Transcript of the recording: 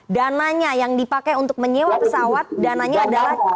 dananya yang dipakai untuk menyewa pesawat dananya adalah